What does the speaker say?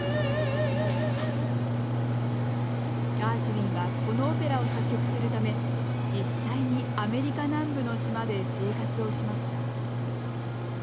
ガーシュウィンはこのオペラを作曲するため実際にアメリカ南部の島で生活をしました。